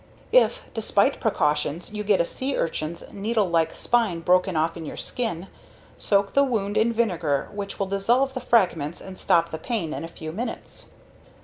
If, despite precautions, you get a sea urchin's needlelike spine broken off in your skin, soak the wound in vinegar which will dissolve the fragments and stop the pain in a few minutes.